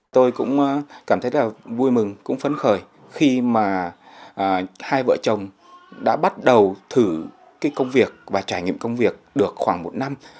tôi cũng cảm thấy rất vui mừng cũng phấn khởi khi mà hai vợ chồng đã bắt đầu thử cái công việc và trải nghiệm công việc được khoảng một năm